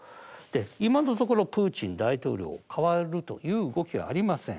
今のところプーチン大統領代わるという動きはありません。